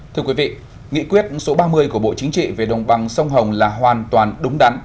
thưa quý vị nghị quyết số ba mươi của bộ chính trị về đồng bằng sông hồng là hoàn toàn đúng đắn